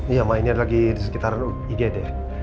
iya ma ini lagi di sekitar igd